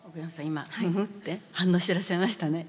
今「ふふ」って反応していらっしゃいましたね。